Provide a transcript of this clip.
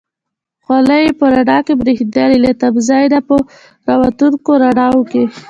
خولۍ یې په رڼا کې برېښېدلې، له تمځای نه په را وتونکو رڼاوو کې.